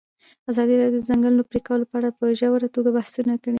ازادي راډیو د د ځنګلونو پرېکول په اړه په ژوره توګه بحثونه کړي.